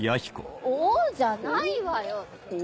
「おっ」じゃないわよ。